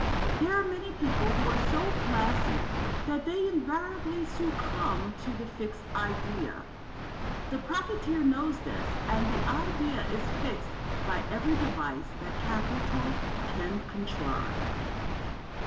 There are many people who are so flaccid that they invariably succumb to the fixed idea. The profiteer knows this, and the idea is fixed by every device that capital can contrive.